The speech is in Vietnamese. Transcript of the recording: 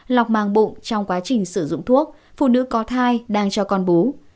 lọc màng bụng trong quá trình sử dụng thuốc phụ nữ có thai đang cho con bú